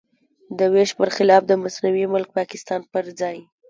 د وېش پر خلاف د مصنوعي ملک پاکستان پر ځای.